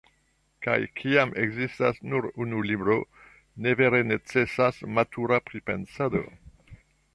Kaj kiam ekzistas nur unu libro, ne vere necesas “matura pripensado”.